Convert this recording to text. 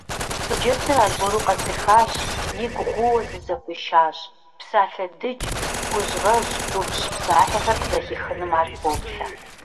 Хъыджэбзыр аргуэру къэдзыхащ, игу гъууэ зызэхуишащ: псалъэ дыдж, гужьгъэжь губжь псалъэхэр къызэхихыным ар поплъэ.